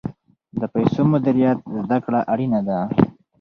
د پیسو مدیریت زده کړه اړینه ده.